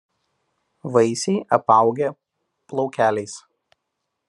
Vaisiai apaugę plaukeliais.